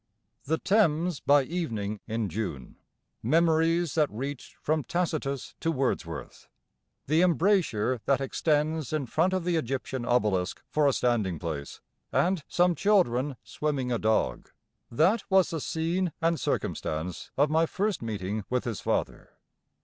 The Thames by evening in June, memories that reached from Tacitus to Wordsworth, the embrasure that extends in front of the Egyptian obelisk for a standing place, and some children "swimming a dog"; that was the scene and circumstance of my first meeting with his father.